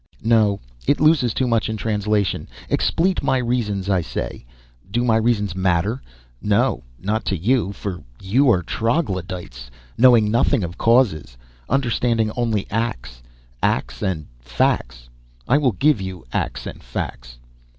No, it loses too much in the translation. Explete my reasons, I say. Do my reasons matter? No, not to you, for you are troglodytes, knowing nothing of causes, understanding only acts. Acts and facts, I will give you acts and facts.